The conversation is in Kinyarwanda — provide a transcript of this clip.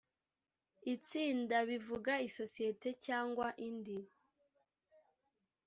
itsinda bivuga isosiyete cyangwa indi